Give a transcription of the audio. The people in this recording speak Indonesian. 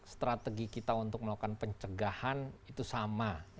strategi kita untuk melakukan pencegahan itu sama